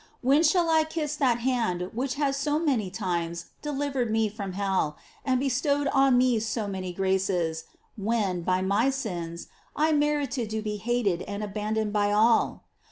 When shall I kiss that hand which has so many times delivered me from hell and bestowed on me so many graces, when, by my sins, I merited to be hated and abandoned by all